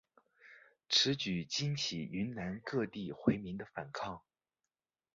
此举激起云南各地回民的反抗。